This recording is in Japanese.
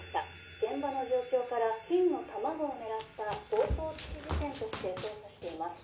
現場の状況から金の卵を狙った強盗致死事件として捜査しています。